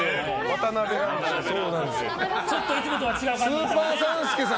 ちょっといつもとは違う感じのね。